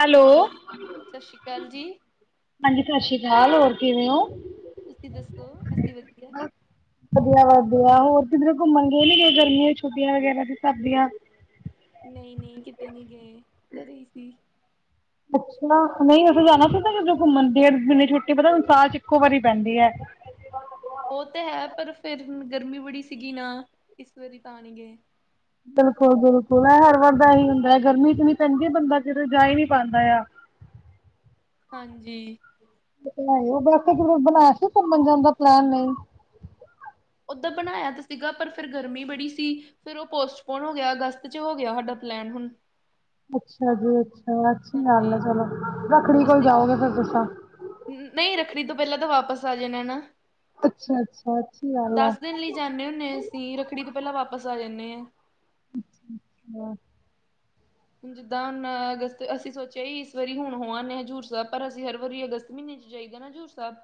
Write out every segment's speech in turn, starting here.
Hello, ਸਤਿ ਸ਼੍ਰੀ ਅਕਾਲ ਜੀ, ਹਾਂਜੀ ਸਸ ਸ੍ਰੀ ਕਾਲ, ਹੋਰ ਕਿਵੇਂ ਹੋ? ਤੁਸੀਂ ਦੱਸੋ ਅ ਬੱਸ ਵਧੀਆ ਵਧ ਗੋਆ ਹੋਰ ਕਿਧਰੇ ਘੁੰਮਣ ਗੇ ਨੀ ਗੇ ਗਰਮੀਆਂ ਛੁੱਟੀਆਂ ਵਗੈਰਾ ਦੇ ਹਿਸਾਬ ਦੀਆਂ। ਨਹੀਂ-ਨਹੀਂ ਕਿਤੇ ਨੀ ਗਏ, ਘਰੇ ਸੀ। ਅੱਛਾ ਨਹੀਂ ਅਸੀਂ ਜਾਨਾ ਸੀ ਨਾ ਕਿਧਰੇ ਘੁੰਮਨ, ਢੇਡ ਮਹੀਨੇ ਦੀ ਛੁੱਟੀ ਪਤਾ ਹੁਨ ਸਾਲ ਚ ਇੱਕੋ ਵਾਰੀ ਪੈਂਦੀ ਐ। ਹ ਉਹ ਤੇ ਹੈ ਪਰ ਫੇਰ ਗਰਮੀ ਬੜੀ ਸੀਗੀ ਨਾ, ਇਸ ਵਾਰੀ ਤਾਂ ਨੀ ਗਏ। ਬਿਲਕੁਲ-ਬਿਲਕੁਲ, ਐ ਹਰ ਵਾਰ ਦਾ ਏਹੀ ਹੁੰਦਾ ਏ ਗਰਮੀ ਇਤਨੀ ਪੈਂਦੀ ਬੰਦਾ ਕਿਥੇ ਜਾ ਈ ਨਈ ਪਾਂਦਾ ਆ। ਹਾਂਜੀ। [unintelligible] ਵੈਸੇ ਕਿਧਰੇ ਬਣਾਇਆ ਸੀ ਕੁਮਨ ਜਾਨ ਦਾ ਪਲੈਨ, ਨਹੀਂ। ਉਦਾ ਬਨਾਂਈਆਂ ਤਾ ਸੀਗਾ ਪਰ ਫੇਰ ਗਰਮੀ ਬੜੀ ਸੀ, ਫੇਰ ਉਹ ਪੋਸਟਪੋਨ ਹੋ ਗਿਆ, ਅਗਸਤ ਚ ਹੋ ਗਿਆ, ਹਾਡਾ ਪਲੈਨ ਹੁਨ [unintelligible] ਅੱਛਾ ਜੀ, ਅੱਛਾ, ਅਛੀ ਗੱਲ ਆ ਚਲੋ। ਰੱਖੜੀ ਕੋਲ ਤੁਸੀਂ ਜਾਓਗੇ ਫੇਰ ਤੁਸਾ ਨਹੀਂ ਰੱਖੜੀ ਤੋਂ ਪਹਿਲਾਂ ਤਾਂ ਵਾਪਸ ਆ ਜਾਣਾ ਨਾ ਅੱਛਾ-ਅੱਛਾ, ਅੱਛੀ ਗੱਲ ਦਸ ਦਿਨ ਹੈ, ਲੀ ਜਾਂਨੇ ਹੁੰਨੇ ਅਸੀਂ, ਰੱਖੜੀ ਤੋਂ ਪਹਿਲਾਂ ਵਾਪਿਸ ਆ ਜਾਂਨ [unintelligible] ਅੱਛਾ-ਅੱਛਾ। ਹੁਨ ਜਿੱਦਾ ਹੁਨ ਅਗਸਤ, ਅਸੀਂ ਸੋਚਿਆ ਈ ਇਸ ਵਾਰੀ ਹੁਨ ਹੋ ਆਂਨੇ ਹਜ਼ੂਰ ਸਾਹਿਬ ਪਰ ਅਸੀਂ ਹਰ ਵਾਰੀ ਅਗਸਤ ਮਹੀਨੇ ਜਾਈਦਾ ਨਾ ਜ਼ੂਰ ਸਾਹਿਬ,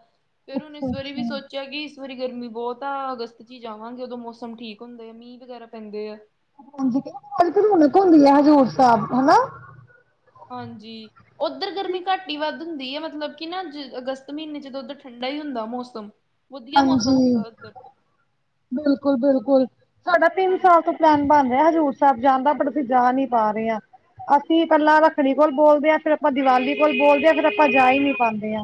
ਫੇਰ ਹੁਨ ਇਸ ਵਾਰੀ ਵੀ ਅੱਛਾ-ਅੱਛਾ। ਸੋਚਿਆ ਕਿ ਕ ਵਾਰੀ ਗਰਮੀ ਬਹੁਤ ਆ ਅਗਸਤ ਚ ਹੀ ਜਾਵਾਂਗੇ ਉਦੋਂ ਮੌਸਮ ਠੀਕ ਹੁੰਦੇ ਆ ਮੀਂਹ ਵਗੈਰਾ ਪੈਂਦੇ ਆ ਹਾਂਜੀ ਕਹਿੰਦੇ ਰੂਣਕ ਹੁੰਦੀ ਹੈ ਹਜ਼ੂਰ ਸਾਹਿਬ, ਹੇਨਾ। ਹਾਂਜੀ, ਉੱਧਰ ਗਰਮੀ ਘੱਟ ਈ ਵੱਧ ਹੁੰਦੀ ਐ ਮਤਲਬ ਕਿ ਨਾ ਜ ਅਗਸਤ ਮਹੀਨੇ ਜਦੋਂ ਉੱਧਰ ਠੰਡਾ ਈ ਹੁੰਦਾ ਮੌਸਮ। ਵਦੀਆ ਮੌਸਮ ਹੁੰਦਾ ਓਥਰ। ਬਿਲਕੁਲ-ਬਿਲਕੁਲ ਸਾਡਾ ਤਿੰਨ ਹਾਂਜੀ ਸਾਲ ਤੋਂ ਪਲੈਨ ਬਣ ਹੈ ਹਜ਼ੂਰ ਸਾਹਿਬ ਜਾਂਦਾ, ਪਰ ਅਸੀਂ ਜਾ ਨੀ ਪਾ ਰਹੇ ਆਂ। ਅਸੀਂ ਪਹਿਲਾਂ ਰੱਖੜੀ ਕੋਲ ਬੋਲਦੇ ਆਂ ਫੇਰ ਆਪਾਂ ਦੀਵਾਲੀ ਕੋਲ ਬੋਲਦੇ ਆਂ ਫੇਰ ਆਪਾ ਜਾ ਈ ਨੀ ਪਾਂਦੇ ਆ।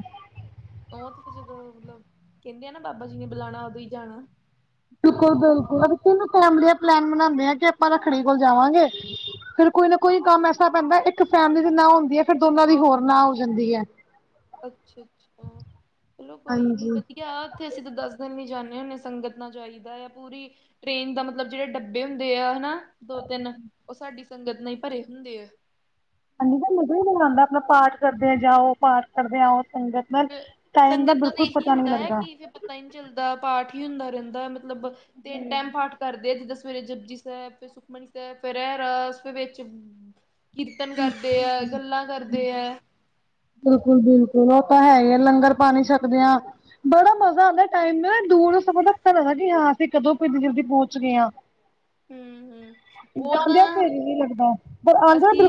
ਉਹ ਤੇ ਜਦੋਂ ਮਤਲਬ, ਕਹਿੰਦੇ ਆ ਨਾ ਬਾਬਾ ਜੀ ਨੇ ਬੁਲਾਣਾ ਉਦੋਂ ਈ ਜਾਣਾ। ਬਿਲਕੁਲ-ਬਿਲਕੁਲ ਅਸੀ ਤਿੰਨੋ ਫੈਮਲੀਆਂ ਪਲੈਨ ਬਨਾਦੇ ਆ ਕਿ ਆਪਾ ਰੱਖੜੀ ਕੋਲ ਜਾਵਾਂਗੇ। ਫਿਰ ਕੋਈ ਨਾ ਕੋਈ ਕੰਮ ਐਸਾ ਪੈਂਦਾ ਇੱਕ ਫੈਮਿਲੀ ਦੀ ਨਾ ਹੁੰਦੀ ਐ ਫਿਰ ਦੋਨਾਂ ਦੀ ਹੋਰ ਨਾ ਹੋ ਜਾਂਦੀ ਐ। ਅੱਛਾ-ਅੱਛਾ ਚਲੋ ਕੋਈ ਨੀ, ਹਾਂਜੀ ਵਧੀਆ ਉੱਥੇ ਅਸੀਂ ਤਾਂ ਦੱਸ ਦਿਨ ਵੀ ਜਾਂਨ ਹੁਨੇ ਸੰਗਤ ਨਾ ਜਾਈਦਾ ਆ ਪੂਰੀ, ਟ੍ਰੇਨ ਦਾ ਮਤਲਬ ਜਿਹੜੇ ਡੱਬੇ ਹੁੰਦੇ ਆ, ਹੇਨਾ ਦੋ ਤਿੰਨ ਉਹ ਸਾਡੀ ਸੰਗਤ ਨੇਈ ਭਰੇ ਹੁੰਦੇ ਐ। ਹਾਂਜੀ, ਤਾ ਹੀ ਮਜ਼ਾਂ ਈ ਬੜਾ ਆਂਦਾ, ਆਪਣਾ ਪਾਠ ਕਰਦੇ ਆ ਜਾਓ, ਪਾਠ ਕਰਦੇ ਆਓ। ਸੰਗਤ ਨਾਲ ਫੇ ਟਾਈਮ ਸੰਗਤ ਦਾ ਤੇ ਬਿਲਕੁਲ ਇਹੀ ਪਤਾ ਨਹੀਂ ਹੁੰਦਾ ਐ ਲੱਗਦਾ ਕਿ ਫਿਰ ਪਤਾ ਈ ਨਈ ਚੱਲਦਾ ਪਾਠ ਈ ਹੁੰਦਾ ਰੇਂਦਾਏ ਮਤਲਬ, ਤਿੰਨ ਟੇਮ ਪਾਠ ਕਰਦੇ ਆ ਜਿੱਦਾ ਸ ਸਵੇਰੇ ਜਪਜੀ ਸਾਹਿਬ ਫੇਰ ਸੁਖਮਨੀ ਸਾਹਿਬ ਫੇਰ ਰਹਿਰਾਸ ਫੇਰ ਵਿੱਚ ਕੀਰਤਨ ਕਰਦੇ ਐ, ਗੱਲਾਂ ਕਰਦੇ ਐ। ਓ ਤਾਂ ਹੈ ਈ ਐ ਲੰਗਰ ਪਾਨੀ ਛਕਦੇਆ, ਬੜਾ ਮਜ਼ਾ ਆਂਦਾ ਟੇਮ ਨਾ ਦੂਰ ਸਗੋਂ ਪਤਾ ਲੱਗਦਾਏ। [unintelligible] ਹਾਂ ਅਸੀਂ ਕਦੋਂ ਕੋਈ ਇਨੀ ਜਲਦੀ ਪਹੁੰਚ ਗਏ ਆਂ। ਹੂੰ-ਹੂੰ ਉਹ ਜਾਂਦੇਆਂ ਤੇਰੀ ਨੀ ਲੱਗਦਾ, ਪਰ ਆਉਂਦੇਆਂ ਬਿ।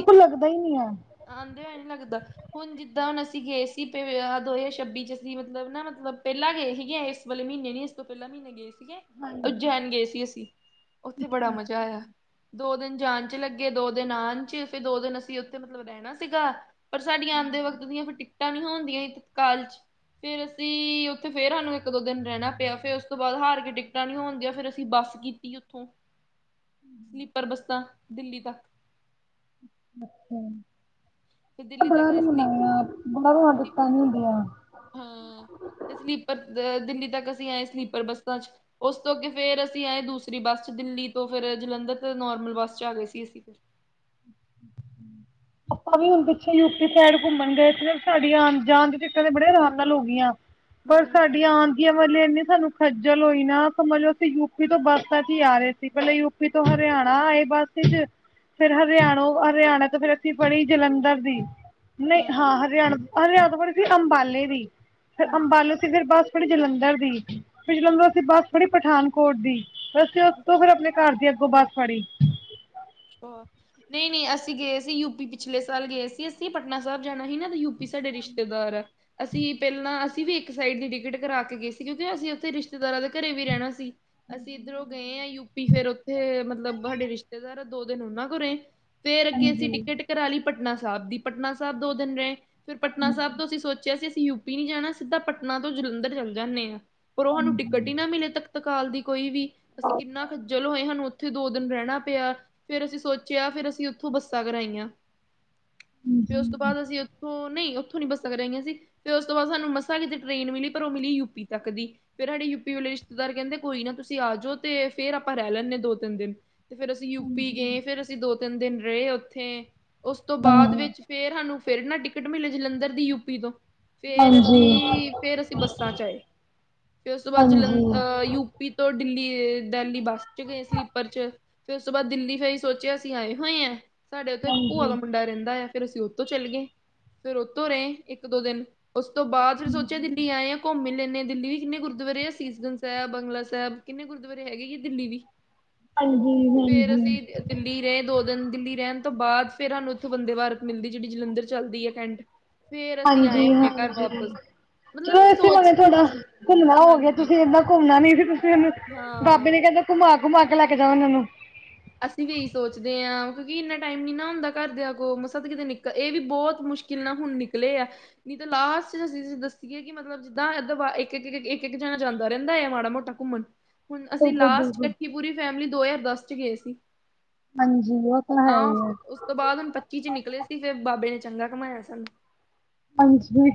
ਆਂਨਦਿਆਂ ਈ ਨੀ ਲੱਗਦਾ। ਹੁਣ ਜਿੱਦਾਂ ਹੁਣ ਅਸੀਂ ਗਏ ਸੀ ਦੋ ਹਜ਼ਾਰ ਛੱਬੀ 'ਚ ਅਸੀਂ ਮਤਲਬ ਨਾ ਮਤਲਬ ਪਹਿਲਾਂ ਗਏ ਸੀਗੇ। ਇਸ ਵੇਲੇ ਮਹੀਨੇ ਇਸ ਤੋਂ ਪਹਿਲਾਂ ਮਹੀਨੇ ਗਏ ਸੀ। ਠੀਕ ਹੈ ਉਜੈਨ ਗਏ ਸੀ ਅਸੀਂ ਉੱਥੇ ਬੜਾ ਮਜ਼ਾ ਆਇਆ। ਦੋ ਦਿਨ ਜਾਣ 'ਚ ਲੱਗੇ ਦੋ ਦਿਨ ਆਉਣ 'ਚ ਫਿਰ ਦੋ ਦਿਨ ਅਸੀਂ ਉੱਥੇ ਮਤਲਬ ਰਹਿਣਾ ਸੀਗਾ। ਪਰ ਸਾਡੀਆਂ ਆਉਂਦੇ ਵਕਤ ਦੀਆਂ ਫਿਰ ਟਿਕਟਾਂ ਨ ਹੋਣਦੀਆਂ ਤਤਕਾਲ 'ਚ ਫੇਰ ਅਸੀਂ ਉੱਥੇ ਫੇਰ ਸਾਨੂੰ ਇੱਕ ਦੋ ਦਿਨ ਰਹਿਣਾ ਪਿਆ ਫੇਰ ਉਸ ਤੋਂ ਬਾਅਦ ਹਾਰ ਕੇ ਟਿਕਟਾਂ ਨੀ ਹੋਣਦੀਆਂ ਫੇਰ ਅਸੀਂ ਬੱਸ ਕੀਤੀ ਉੱਥੋਂ ਸਲੀਪਰ ਬੱਸਾਂ ਦਿੱਲੀ ਤੱਕ ਅੱਛਾ ਫਿਰ ਦਿੱਲੀ ਤੱਕ ਅਸੀਂ [unintelligible] ਹਾਂ ਤੇ ਸਲੀਪਰ ਦਿੱਲੀ ਤੱਕ ਅਸੀਂ ਆਏ ਸਲੀਪਰ ਬੱਸਾਂ 'ਚ ਉਸ ਤੋਂ ਅੱਗੇ ਫੇਰ ਅਸੀਂ ਆਏ ਦੂਸਰੀ ਬੱਸ 'ਚ ਦਿੱਲੀ ਤੋਂ ਫਿਰ ਜਲੰਧਰ ਤੇ ਨੋਰਮਲ ਬੱਸ 'ਚ ਆ ਗਏ ਸੀ ਅਸੀਂ [inaudible] ਆਪਾਂ ਵੀ ਹੁਣ ਪਿੱਛੇ ਯੂਪੀ ਸਾਈਡ ਘੁੰਮਣ ਗਏ ਸੀ ਸਾਡੀਆਂ ਆਉਣ ਜਾਣ ਦੀ ਟਿਕਟਾਂ ਦੇ ਬੜੇ ਆਰਾਮ ਨਾਲ ਹੋ ਗਈਆਂ। ਪਰ ਹੂੰ ਸਾਡੀਆਂ ਆ ਦੀਆਂ ਵਾਲੇ ਇਨੇ ਸਾਨੂੰ ਖੱਜਲ ਹੋਈ ਨਾ ਸਮਝ ਲੋ ਅਸੀਂ ਯੂਪੀ ਤੋਂ ਬੱਸਾਂ 'ਚ ਹੀ ਆ ਰਹੇ ਸੀ ਪਹਿਲਾਂ ਯੂਪੀ ਤੋਂ ਹਰਿਆਣਾ ਆਏ। ਬਸ 'ਚ ਫਿਰ ਹਰਿਆਣਾ ਹਰਿਆਣਾ ਤੋਂ ਫਿਰ ਅਸੀਂ ਪੜ੍ਹੀ ਜਲੰਧਰ ਦੀ ਨਹੀਂ ਹਾਂ ਹੂੰ ਹਰਿਆਣਾ -ਹਰਿਆਣਾ ਤੋਂ ਬੜੀ ਅੰਬਾਲੇ ਦੀ ਫਿਰ ਹੂੰ ਅੰਬਾਲੋ ਤੇ ਫਿਰ ਬਸ ਫੜੀ ਜਲੰਧਰ ਦੀ ਫੇਰ ਜਲੰਧਰੋ ਅਸੀਂ ਬੱਸ ਫੜ੍ਹੀ ਪਠਾਨਕੋਟ ਦੀ ਅਸੀਂ ਉਸ ਤੋਂ ਫੇਰ ਆਪਣੇ ਘਰ ਦੀ ਅੱਗੋਂ ਬੱਸ ਫੜੀ [inaudible] ਨਹੀਂ -ਨਹੀਂ ਅਸੀਂ ਗਏ ਸੀ ਯੂਪੀ ਪਿਛਲੇ ਸਾਲ ਗਏ ਸੀ ਅਸੀਂ ਪਟਨਾ ਸਾਹਿਬ ਜਾਣਾ ਸੀ ਨਾ ਯੂਪ ਸਾਡੇ ਰਿਸ਼ਤੇਦਾਰ ਆ ਅਸੀਂ ਪਹਿਲਾਂ ਅਸੀਂ ਵੀ ਇੱਕ ਸਾਈਡ ਦੀ ਟਿਕਟ ਕਰਾ ਕੇ ਗਏ ਸੀ ਕਿਉਂਕਿ ਅਸੀਂ ਉੱਥੇ ਰਿਸ਼ਤੇਦਾਰਾਂ ਦੇ ਘਰੇ ਵੀ ਰਹਿਣਾ ਸੀ। ਅਸੀਂ ਇੱਧਰੋਂ ਗਏ ਹ ਯੂਪੀ ਫੇਰ ਉੱਥੇ ਮਤਲਬ ਸਾਡੇ ਰਿਸ਼ਤੇਦਾਰ ਦੋ ਦਿਨ ਉਹਨਾਂ ਕੋਲ ਰਹੇ। ਫੇਰ ਅੱਗੇ ਅਸੀਂ ਹਾਂਜੀ ਟਿਕਟ ਕਰਾ ਲਈ ਪਟਨਾ ਸਾਹਿਬ ਦੀ ਪਟਨਾ ਸਾਹਿਬ ਦੋ ਦਿਨ ਰਹੇ। ਫਿਰ ਪਟਨਾ ਸਾਹਿਬ ਤੋਂ ਅਸੀਂ ਸੋਚਿਆ ਸੀ ਅਸੀਂ ਯੂਪੀ ਨੀ ਜਾਣਾ ਸਿੱਧਾ ਪਟਨਾ ਤੋਂ ਜਲੰਧਰ ਚੱਲ ਜਾਂਦੇ ਹਾਂ। ਪਰ ਉਹ ਸਾਨੂੰ ਟਿਕਟ ਹੀ ਨਾ ਮਿਲੇ ਤਖ਼ਤਕਾਲ ਦੀ ਕੋਈ ਵੀ ਅਸੀਂ ਕਿੰਨਾ ਖੱਜਲ ਹੋਏ ਸਾਨੂੰ ਉਥੇ ਉੱਥੇ ਦੋ ਦਿਨ ਰਹਿਣਾ ਪਿਆ ਫੇਰ ਅਸੀਂ ਸੋਚਿਆ ਫਿਰ ਅਸੀਂ ਉੱਥੋਂ ਬੱਸਾਂ ਕਰਾਈਆਂ। ਤੇ ਉਸ ਤੋਂ ਬਾਅਦ ਅਸੀਂ ਉੱਥੋਂ ਨਹੀਂ ਉ ਬੱਸਾਂ ਕਰਾਹੀਆਂ ਸੀ ਫਿਰ ਉਸ ਤੋਂ ਬਾਅਦ ਸਾਨੂੰ ਮਸਾਂ ਕਿਤੇ ਟ੍ਰੇਨ ਮਿਲੀ ਪਰ ਉਹ ਮਿਲੀ ਯੂਪੀ ਤੱਕ ਦੀ ਫੇਰ ਸਾਡੀ ਯੂਪੀ ਵਾਲੇ ਰਿਸ਼ਤੇਦਾਰ ਕਹਿੰਦੇ ਕੋਈ ਨਾ ਤੁਸੀਂ ਆ ਜਾਓ ਤੇ ਫੇਰ ਆਪਾਂ ਰਹਿ ਲੈਂਦੇ ਹਾਂ ਦੋ ਤਿੰਨ ਦਿਨ ਤੇ ਫੇਰ ਅਸੀਂ ਯੂ ਗਏ ਫੇਰ ਅਸੀਂ ਦੋ ਤਿੰਨ ਦਿਨ ਰਹੇ ਉੱਥੇ ਉਸ ਤੋਂ ਬਾਅਦ ਵਿੱਚ ਫੇਰ ਹਾਨੂੰ ਫਿਰ ਨਾ ਟਿਕਟ ਮਿਲੇ ਜਲੰਧਰ ਦੀ ਯੂਪੀ ਤੋਂ ਫੇਰ ਅਸੀਂ ਫੇਰ ਅਸੀਂ ਬੱਸਾਂ 'ਚ ਆਏ। ਫਿਰ ਉਸ ਤੋਂ ਬਾਅਦ ਜਲੰਧਹ ਯੂਪੀ ਤੋਂ ਦਿੱਲੀ ਡਲੀ ਬੱਸ 'ਚ ਗਏ ਸਲੀਪਰ 'ਚ ਫਿਰ ਉਸ ਤੋਂ ਬਾਅਦ ਦਿੱਲੀ ਫੇ ਹੀ ਸੋਚਿਆ ਅਸੀਂ ਆਏ ਹੋਏ ਹੈ ਸਾਡੇ ਉੱਥੇ ਇੱਕ ਭੂਆ ਦਾ ਮੁੰਡਾ ਰਹਿੰਦਾ ਆ। ਫਿਰ ਅਸੀਂ ਉਤੋਂ ਚਲੇ ਗਏ ਫੇਰ ਉਤੋਂ ਰਹੇ ਇੱਕ ਦੋ ਦਿਨ ਉਸ ਤੋਂ ਬਾਅਦ ਫਿਰ ਸੋਚਿਆ ਦਿੱਲੀ ਆਏ ਹਾਂ ਘੁੰਮ ਲੇ ਕਿੰਨੇ ਦਿੱਲੀ ਵੀ ਕਿੰਨੇ ਗੁਰਦੁਆਰੇ ਆ ਸੀਸਗੰਜ ਸਾਹਿਬ ਬੰਗਲਾ ਸਾਹਿਬ ਕਿੰਨੇ ਗੁਰਦੁਆਰੇ ਹੈਗੇ ਆ ਦਿੱਲੀ ਵੀ ਹਾਂਜੀ ਫੇਰ ਅਸੀਂ ਦਿੱਲੀ ਰਹੇ ਦੋ ਦਿੱਲੀ ਰਹਿਣ ਤੋਂ ਬਾਅਦ ਫੇਰ ਸਾਨੂੰ ਉੱਥੋਂ ਬੰਦੇ ਭਾਰਤ ਮਿਲਦੀ ਜਿਹੜੀ ਜਲੰਧਰ ਚੱਲਦੀ ਹੈ ਕੈਂਟ ਫੇਰ ਅਸੀਂ ਆਏ ਆਪਣੇ ਘਰ ਹਾਂਜੀ-ਹਾਂਜੀ ਵਾਪਸ ਮਤਲਬ ਚਲੋ ਅਸੀਂ ਇਸੇ ਸੋਚ ਬਣੇ ਤੁਹਾਡਾ ਘੁੰਮਣਾ ਹੋਗੇ ਹਾਂਜੀ ਤੁਸੀਂ ਏਦਾਂ ਘੁੰਮਣਾ ਵੀ ਹਾਂ ਬਾਬੇ ਨੇ ਕਹਿੰਦੇ ਘੁਮਾ -ਘੁਮਾ ਕੇ ਲੈ ਕੇ ਜਾਵ ਤਾਨੂੰ ਅਸੀਂ ਵੀ ਇਹੀ ਸੋਚਦੇ ਹਾਂ ਕਿਉਂਕਿ ਇੰਨਾ ਟਾਈਮ ਨੀ ਨਾ ਹੁੰਦਾ ਘਰਦਿਆਂ ਕੋਲ ਮਸਾ ਤਾਂ ਕਿਤੇ ਨਿਕਲ ਇਹ ਵੀ ਬਹੁਤ ਮੁਸ਼ਕਿਲ ਨਾ ਹੁਣ ਨਿਕਲੇ ਆ। ਨਹੀਂ, ਤਾਂ ਲਾਸਟ'ਚ ਅਸੀਂ ਦੱਸੀਏ ਕਿ ਮਤਲਬ ਜਿੱਦਾਂ ਦ, ਇੱਕ-ਇੱਕ ਜਾਣਾ, ਜਾਂਦਾ ਰਹਿੰਦਾ ਹੈ, ਮਾੜਾ ਮੋਟਾ ਘੁੰਮਣ ਹੁਣ ਅਸੀਂ ਬਿਲਕੁਲ ਲਾਸਟ ਬਿਲਕੁਲ ਇਕੱਠੀ ਪੂਰੀ ਫੈਮਿਲੀ ਦੋ-ਹਜ਼ਾਰ ਦਸ'ਚ ਗਏ ਸੀ। ਹਾਂਜੀ ਉਹ ਤਾਂ ਹੈ ਹਾਂ। ਹੀ ਹੈ ਉਸ ਤੋ, ਬਾਅਦ ਹੁਣ ਪੱਚੀ'ਚ ਨਿਕਲੇ ਤੇ, ਫਿਰ ਬਾਬੇ ਨੇ ਚੰਗਾ ਘੁਮਾਇਆ ਸਾਨੂੰ। ਹਾਂਜੀ।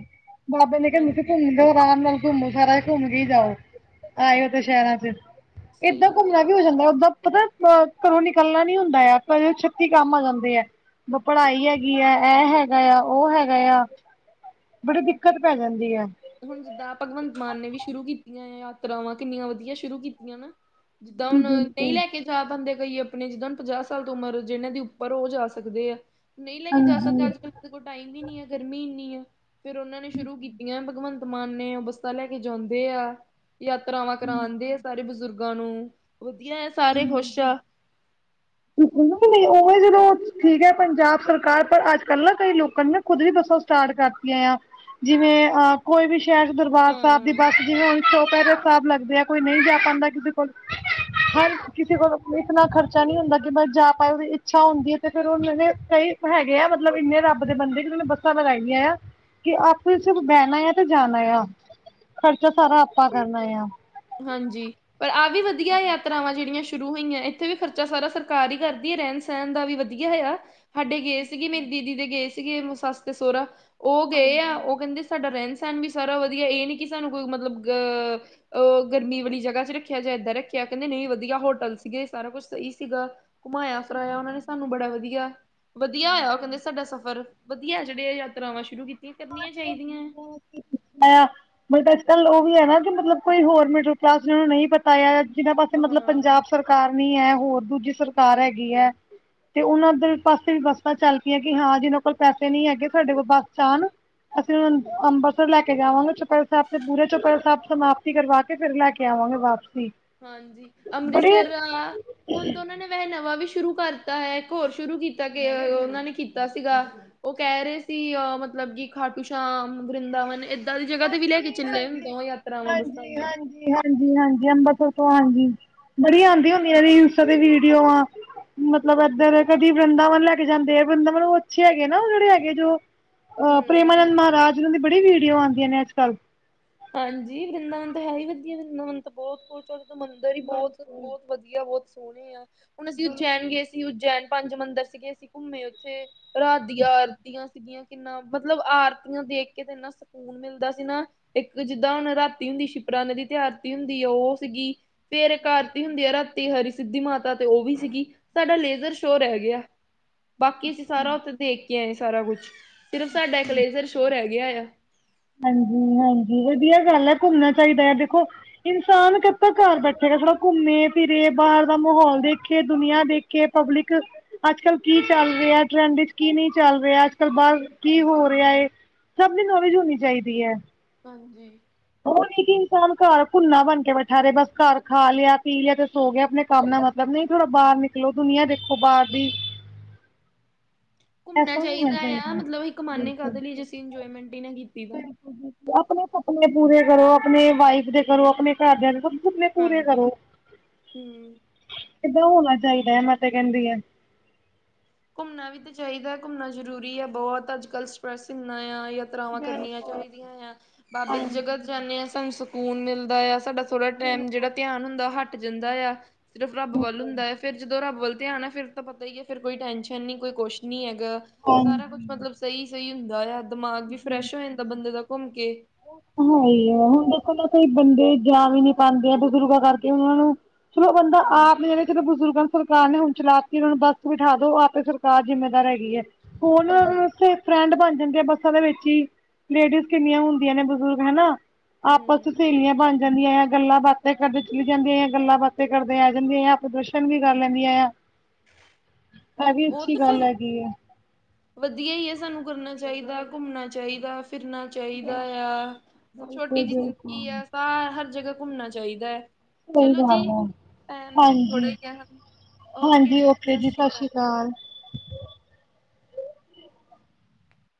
ਬਾਬੇ ਨੇ ਕਿਹਾ ਮਥੇ ਹਾਂਜੀ ਘੁੰਮ ਦਾ ਆਰਾਮ ਨਾਲ ਘੁੰਮੋ ਸਾਰਾ ਘੁੰਮ ਕੇ ਜਾਓ, ਆਏਓ ਤਾ ਸ਼ਹਿਰਾਂ'ਚ ਏਦਾਂ ਸਹੀ ਗੱਲ ਘੁੰਮਣਾ ਕੀ ਹੋ ਜਾਂਦਾ, ਓਦਾਂ ਪਤਾ ਘਰੋਂ ਨਿਕਲਣਾ ਨੀ ਹੁੰਦਾ ਤਾਂ, ਆਪਾਂ ਜਦੋਂ ਛੱਤੀ ਕੰਮ ਆ ਜਾਂਦੇ ਆ। ਵ ਪੜ੍ਹਾਈ ਹੈਗੀ ਆ, ਇਹ ਹੈਗਾ ਤਾਂ, ਉਹ ਹੈਗਾ ਯਾ ਬੜੀ ਦਿੱਕਤ ਪੈ ਜਾਂਦੀ ਹੈ। ਹੁਣ ਜਿੱਦਾਂ ਭਗਵੰਤ ਮਾਨ ਨੇ ਵੀ ਸ਼ੁਰੂ ਕੀਤੀਆਂ ਆ ਯਾਤਰਾਵਾਂ, ਕਿੰਨੀਆਂ ਵਧੀਆ ਸ਼ੁਰੂ ਕੀਤੀਆਂ ਨਾ। ਜਿੱਦਾਂ ਹੁਣ ਨਹੀਂ ਲੈਕੇ ਜਾ ਬੰਦੇ ਗਈ ਆਪਣੀ ਜਿੱਦਾਂ ਹੁਨ, ਪੰਜਾਹ ਸਾਲ ਤੋਂ ਉਮਰ ਜਿਹਨਾਂ ਦੀ ਉੱਪਰ ਉਹ ਜਾ ਸਕਦੇ ਐ। ਨਹੀਂ ਲੈਕੇ ਜਾ ਸਕਦੇ, ਅੱਜ- ਕੱਲ ਕੋਲ ਟਾਈਮ ਵੀ ਨੀ ਐ, ਗਰਮੀ ਇੰਨੀ ਆ ਫੇਰ ਉਹਨਾਂ ਨੇ ਸ਼ੁਰੂ ਕੀਤੀਆਂ ਭਗਵੰਤ ਮਾਨ ਨੇ ਉਹ ਬੱਸਾਂ ਲੈਕੇ ਜਾਂਦੇ ਆ। ਯਾਤਰਾਵਾਂ ਕਰਾਂਦੇ ਆ ਸਾਰੇ ਬਜ਼ੁਰਗ ਗਾਂ, ਨੂੰ ਵਧੀਆ ਆ ਸਾਰੇ ਖ਼ੁਸ਼ ਆ। ਨਹੀਂ ਨਹੀਂ ਉਵੇਂ ਠੀਕ ਐ ਪੰਜਾਬ ਸਰਕਾਰ, ਪਰ ਅੱਜ-ਕੱਲ ਨਾ ਕਈ ਲੋਕਾਂ ਨੇ ਨਾ, ਖੁਦ ਵੀ ਬੱਸਾਂ ਸਟਾਰਟ ਕਰਤੀਆਂ ਆ। ਜਿਵੇਂ ਅਹ ਕੋਈ ਵੀ ਸ਼ਹਿਰ ਦਰਬਾਰ ਸਾਹਿਬ ਦੀ ਹਾਂ। ਬੱਸ, ਜਿਵੇਂ ਹੁਣ ਚੌ'ਪਹਿਰੇ ਸਾਹਿਬ ਲੱਗਦੇ ਆ ਕੋਈ ਨਹੀਂ ਜਾ ਪਾਂਦਾ, ਕਿਸੇ ਕੋਲ ਹਰ ਕਿਸੇ ਕੋਲ ਆਪਣੇ ਇਤਨਾ ਖਰਚਾ ਨੀ ਹੁੰਦਾ ਕਿ, ਜਾ ਪਾਏ ਉਹਦੀ ਇੱਛਾ ਹੁੰਦੀ ਐ, ਤੇ ਫੇਰ ਉਹ ਮੇ ਕਈ ਹੈਗੇ ਮਤਲਬ ਇਨੇ ਰੱਬ ਦੇ ਬੰਦੇ ਕਿ ਜਿਨ੍ਹਾਂ ਨੇ ਬੱਸਾਂ ਲਗਾਈਆਂ ਆ ਕਿ, ਆਪੇ ਸਿਰਫ ਬਹਿਣਾ ਆ ਤੇ ਜਾਣਾ ਯਾ, ਖ਼ਰਚਾ ਸਾਰਾ ਆਪਾਂ ਕਰਨਾ ਆ। ਹਾਂਜੀ ਪਰ ਆਹ ਵੀ ਵਧੀਆ ਯਾਤਰਾਵਾਂ ਜਿਹੜੀਆਂ ਸ਼ੁਰੂ ਹੋਈਆਂ, ਇੱਥੇ ਵੀ ਖਰਚਾ ਸਾਰਾ ਸਰਕਾਰ ਹੀ ਕਰਦੀ ਐ। ਰਹਿਣ- ਸਹਿਣ ਦਾ ਵੀ ਵਧੀਆ ਹੈ ਯਾ। ਸਾਡੇ ਗਏ ਸੀਗੇ ਮੇਰੀ ਦੀਦੀ ਦੇ ਗਏ ਸੀਗੇ, ਸੱਸ ਤੇ ਸੋਹਰਾ, ਉਹ ਗਏ ਆ, ਉਹ, ਕਹਿੰਦੇ ਸਾਡਾ ਰਹਿਣ ਸਾਨ ਵੀ ਸਾਰਾ ਵਧੀਆ, ਇਹ ਨੀ ਕਿ, ਸਾਨੂੰ ਕੋਈ ਮਤਲਬ ਗ ਅ ਗਰਮੀ ਵਾਲੀ ਜਗ੍ਹਾ'ਚ ਰੱਖਿਆ ਜਾਂ ਏਦਾਂ ਰੱਖਿਆ। ਕਹਿੰਦੇ ਨਹੀਂ, ਵਧੀਆ ਹੋਟਲ ਸੀਗੇ ਸਾਰਾ ਕੁਛ ਸਹੀ ਸੀਗਾ। ਘੁਮਾਈਆਂ, ਫਿਰਾਇਆ, ਉਹਨਾਂ ਨੇ ਸਾਨੂੰ ਬੜਾ ਵਧੀਆ-ਵਧੀਆ ਹੋਇਆ ਉਹ ਕਹਿੰਦੇ ਸਾਡਾ ਸਫ਼ਰ। ਵਧੀਆ ਜਿਹੜੇ ਆ, ਯਾਤਰਾਵਾਂ ਸ਼ੁਰੂ ਕੀਤੀ। ਪੁਛ। ਬਟ, ਅੱਜ-ਕੱਲ ਲੋਕ [unintelligible] ਹੈ, ਨਾ, ਕਿ ਮਤਲਬ ਕੋਈ ਹੋਰ ਮਿਡਲ ਕਲਾਸ ਜਿਹਨੂੰ ਨਹੀਂ ਪਤਾ ਐ। ਜਿਹਨਾਂ ਪਾਸੇ ਮਤਲਬ ਹਾਂ ਪੰਜਾਬ ਸਰਕਾਰ ਨੀ ਐ। ਹੋਰ, ਦੂਜੀ ਸਰਕਾਰ ਹੈਗੀ ਐ। ਤੇ ਉਹਨਾਂ ਦੇ ਪਾਸੇ ਵੀ ਬੱਸਾਂ ਚੱਲ ਪਈਆਂ, ਕਿ, ਹਾਂ ਜਿਨਾਂ ਕੋਲ ਪੈਸੇ ਨਹੀਂ ਹੈਗੇਸਾਡੇ ਕੋਲ ਬੱਸ'ਚ ਆਣ ਅਸੀਂ ਹੁਣ ਅੰਮ੍ਰਿਤਸਰ ਲੈਕੇ ਜਾਵਾਂਗੇ, ਚੋਪਹਿਰਾ ਸਾਹਿਬ ਤੇ, ਪੂਰੇ ਚੋਪਹਿਰਾ ਸਾਹਿਬ ਸਮਾਪਤੀ ਕਰਵਾ ਕੇ, ਫਿਰ ਲੈਕੇ ਆਵਾਂਗੇ ਵਾਪਸ ਹਾਂਜੀ। ਅੰਮ੍ਰਿਤਸਰ ਆ--ਹੁਣ ਤਾਂ, ਉਹਨਾਂ ਨੇ ਵੈਹੇ ਨਵਾਂ ਵੀ ਸ਼ੁਰੂ ਕਰਤਾ ਹੈ। ਇੱਕ ਹੋਰ ਸ਼ੁਰੂ ਕੀਤਾ ਉਹਨਾਂ ਨੇ ਕੀਤਾ ਸੀਗਾ, ਉਹ ਕਹਿ ਰਹੇ ਸੀ, ਅ ਮ ਮਤਲਬ ਕਿ ਖਾਟੂ ਸ਼ਾਮ, ਵ੍ਰਿੰਦਾਵਨ ਏ ਹਾਂਜੀ- ਬੱਸਾਂ ਦੀਆਂ ਹਾਂਜੀ-ਹਾਂਜੀ-ਹਾਂਜੀ-ਹਾਂਜੀ, ਅੰਬਰਸਰੋਂ ਹਾਂਜੀ, ਬੜੀ ਆਂਦੀ ਹੁੰਦੀਆਂ ਰੀਲਸ ਤੇ ਵੀਡੀਓ ਆ ਮਤਲਬ ਇੱਧਰ ਕਦੀ ਵ੍ਰਿੰਦਾਵਨ ਲੈਕੇ ਜਾਂਦੇ ਆ, ਵ੍ਰਿੰਦਾਵਨ ਉਹ ਅੱਛੇ ਹੈਗੇ ਨਾ, ਉਹ ਜਿਹੜੇ ਹੈਗੇ ਜੋ ਅਹ ਹਮ ਪ੍ਰੇਮਾਨੰਦ ਮਹਾਰਾਜ, ਉਹਨਾਂ ਦੀ ਬੜੀ ਵੀਡੀਓ ਆਦੀਆਂ ਨੇ ਅੱਜ-ਕੱਲ। ਹਾਂਜੀ। ਵ੍ਰਿੰਦਾਵਨ ਤਾਂ, ਹੈ ਹੀ ਵਧੀਆ। ਵ੍ਰਿੰਦਾਵਨ ਤ ਬਹੁਤ ਕੁਛ ਮੰਦਰ ਹੀ ਬਹੁਤ- ਬਹੁਤ ਵਧੀਆ ਬਹੁਤ ਸੋਹਣੇ ਆ, ਹੁਣ ਅਸੀਂ ਉਜੈਨ ਗਏ ਸੀ, ਉਜੈਨ ਪੰਜ ਮੰਦਰ ਸੀਗੇ ਅਸੀਂ ਘੁੰਮੇ ਉੱਥੇ, ਰਾਤ ਦੀਆਂ ਆਰਤੀਆਂ ਦੀਆਂ ਕਿੰਨਾ, ਮਤਲਬ ਆਰਤੀਆਂ ਦੇਖਕੇ ਤੇ, ਇੰਨਾ ਸਕੂਨ ਮਿਲਦਾ ਸੀ ਨਾ ਇੱਕ ਜਿੱਦਾਂ ਹੁਣ ਰਾਤੀ ਹੁੰਦੀ ਸ਼ਿਪਰਾ ਨਦੀ ਤੇ ਆਰਤੀ ਹੁੰਦੀ ਆ ਉਹ ਸੀਗੀ। ਫੇਰ ਇਕ ਆਰਤੀ ਹੁੰਦੀ ਆ ਰਾਤੀ ਤੀ ਹਰੀ ਸਿੱਧੀ ਮਾਤਾ ਤੇ, ਉਹ ਵੀ ਸੀਗੀ। ਸਾਡਾ ਲੇਜ਼ਰ ਸ਼ੋ ਰਹਿ ਗਿਆ। ਬਾਕੀ ਅਸੀਂ ਸਾਰਾ ਉੱਥੇ ਦੇਖਕੇ ਆਂਇਆ, ਸਾਰਾ ਕੁਛ। ਸਿਰਫ ਸਾਡਾ ਇੱਕ ਲੇਜਰ ਸ਼ੋ ਰਹਿ ਗਿਆ ਆ। ਹਾਂਜੀ ਹਾਂਜੀ ਵਧੀਆ ਗੱਲ ਐ, ਘੁੰਮਣਾ ਚਾਹੀਦਾ ਆ ਦੇਖੋ, ਇਨਸਾਨ ਕਦ ਤੱਕ ਘਰ ਬੈਠੇਗਾ, ਥੋੜ੍ਹਾ ਘੁੰਮੇ ਫਿਰੇ ਬਾਹਰ ਦਾ ਮਾਹੌਲ ਦੇਖੇ, ਦੁਨੀਆਂ ਦੇਖੇ ਪਬਲਿਕ, ਅੱਜ ਕੱਲ ਕੀ ਚੱਲ ਰਿਹਾ, ਟਰੈਂਡ ਵਿੱਚ ਕੀ ਕੀ ਨਹੀਂ ਚੱਲ ਰਿਹਾ, ਅੱਜ ਕੱਲ੍ਹ ਬਾਹਰ ਕੀ ਹੋ ਰਿਹਾ ਐ, ਸਭ ਦੀ ਨੌਲੇਜ ਹੋਣੀ ਚਾਹੀਦੀ ਐ। ਹਾਂਜੀ। ਉਹ ਇਕ ਇਨਸਾਨ ਘਰ ਭੁੰਨਾ ਬਣ ਕੇ ਬੈਠਾ ਰਹੇ, ਬਸ ਘਰ ਖਾ ਲਿਆਂ ਪੀ ਲਿਆ ਤੇ ਸੋ ਗਿਆ, ਆਪਣੇ ਕੰਮ ਨਾਲ ਮਤਲਬ ਨਹੀਂ ਥੋੜਾ ਬਾਹਰ ਨਿਕਲੋ, ਦੁਨੀਆਂ ਦੇਖੋ ਬਾਹਰ ਦੀ [unintelligible] ਘੁੰਮਣਾ ਐਸਾ ਨਹੀਂ ਹੋਣਾ ਚਾਹੀਦਾ ਆ, ਹੈ ਮਤਲਬ ਅਸੀਂ ਕਮਾਉਨੇ ਕਾਹਦੇ ਲਈ, ਜੇ ਅਸੀਂ ਇੰਜੋਏਮੈਂਟ ਹੀ ਨਾ ਕੀਤੀ ਤਾਂ। ਆਪਣੇ ਸੁਪਨੇ ਪੂਰੇ ਕਰੋ, ਆਪਣੇ ਵਾਈਫ ਦੇ ਕਰੋ, ਆਪਣੇ ਘਰਦਿਆਂ ਦੇ ਸੁਪਨੇ ਪੂਰੇ ਹਾਂਜੀ। ਕਰੋ, ਹੂੰ। ਕਿੱਦਾਂ ਹੋਣਾ ਚਾਹੀਦਾ, ਮੈਂ ਤੇ ਕਹਿੰਦੀ ਆ। ਘੁੰਮਣਾ ਵੀ ਤਾਂ ਚਾਹੀਦਾ, ਘੁੰਮਣਾ ਜਰੂਰੀ ਆ, ਬਹੁਤ ਅੱਜ ਕੱਲ੍ਹ ਸਟਰ੍ਰੈਸ ਇੰਨਾ ਆ ਯਾਤਰਾਵਾਂ ਕਰਨੀਆਂ ਚਾਹੀਦੀਆਂ ਆ, ਬਾਬੇ ਦੀ ਜਗ੍ਹਾ ਜਾਂਦੇ ਹਾਂ, ਸਾਨੂੰ ਸਕੂਨ ਮਿਲਦਾ ਹੈ ਸਾਡਾ ਥੋੜਾ ਟਾਈਮ, ਜਿਹੜਾ ਧਿਆਨ ਹੁੰਦਾ ਉਹ ਹੱਟ ਜਾਂਦਾ ਆ, ਸਿਰਫ ਰੱਬ ਵੱਲ ਹੁੰਦਾ ਆ ਫੇਰ ਜਦੋਂ ਰੱਬ ਵੱਲ ਧਿਆਣਾ ਫਿਰ ਤਾਂ ਪਤਾ ਹੀ ਹੈ, ਫਿਰ ਕੋਈ ਟੈਨਸ਼ਨ ਨੀ ਕੋਈ ਕੁਛ ਨੀ ਹੈਗਾ, ਸਾਰਾ ਕੁਛ ਮਤਲਬ ਸਹੀ ਸਹੀ ਹੁੰਦਾ ਆ ਦਿਮਾਗ ਵੀ, ਫਰੈਸ਼ ਹੋ ਜਾਂਦਾ ਬੰਦੇ ਦਾ ਘੁੰਮ ਕੇ ਹੈ ਹੀ ਹੈ ਹੁਣ ਦੇਖੋ ਨਾ ਕਈ ਬੰਦੇ ਜਾ ਵੀ ਨਹੀਂ ਪਾਉਂਦੇ ਆ, ਬਜ਼ੁਰਗਾਂ ਕਰਕੇ ਉਹਨਾਂ ਨੂੰ ਚਲੋ ਬੰਦਾ ਆਪ ਹਾਂਜੀ ਨੀ ਜਾਣਾ ਚਲੋ ਬਜ਼ੁਰਗਾਂ ਸਰਕਾਰ ਨੇ, ਹੁਣ ਚਲਾ ਕੇ ਨੂੰ ਬੱਸ ਬਿਠਾ ਦੋ ਆਪ ਸਰਕਾਰ ਜਿੰਮੇਦਾਰ ਹੈਗੀ ਹੈ। ਹੁਣ, ਹਾਂਜੀ। ਉਥੇ ਫਰੈਂਡ ਬਣ ਜਾਂਦੇ ਆ ਬਸ ਦੇ ਵਿੱਚ ਹੀ ਲੇਡੀਜ਼, ਕਿੰਨੀਆਂ ਹੁੰਦੀਆਂ ਨੇ ਬਜ਼ੁਰਗ ਹਨਾ ਆਪਸ ਹੂੰ ਚ ਸਹੇਲੀਆਂ ਬਣ ਜਾਂਦੀਆਂ ਆ, ਗੱਲਾਂ- ਬਾਤਾਂ ਕਰਦੇ ਚਲੀ ਜਾਂਦੀਆਂ, ਗੱਲਾਂ ਬਾਤਾਂ ਕਰਦੇ ਆ ਜਾਂਦੀਆਂ, ਦਰਸ਼ਨ ਵੀ ਕਰ ਲੈਂਦੀਆਂ। [inaudible] ਐ, ਵੀ ਅੱਛੀ, ਤੇ ਫਿਰ ਗੱਲ ਹੈਗੀ ਏ। ਵਧੀਆ ਹੀ ਹੈ, ਸਾਨੂੰ ਕਰਨਾ ਚਾਹੀਦਾ ਘੁੰਮਣਾ ਚਾਹੀਦਾ। ਫਿਰਨਾ ਚਾਹੀਦਾ ਆ, ਛੋਟੀ ਜਿਹੀ ਜ਼ਿੰਦਗੀ ਆ ਸਾਰ ਹਰ ਜਗ੍ਹਾ ਘੁੰਮਣਾ ਚਾਹੀਦਾ ਹੈ, ਸਹੀ ਚਲੋ ਗੱਲ ਜੀ ਹੈ ਭੈਣ ਥੋੜ੍ਹਾ ਹਾਂਜੀ ਕ ਹਾਂਜੀ, ਓਕੇ ਜੀ ਸਤਿ ਸ੍ਰੀ ਅਕਾਲ।